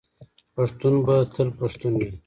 پښتون به تل پښتون وي.